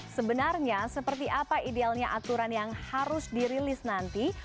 sebenarnya seperti apa idealnya aturan yang harus dirilis nanti